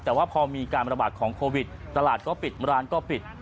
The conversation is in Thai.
แต่ว่าพอมีการประบาดของโควิดตลาดก็ปิดร้านก็ปิด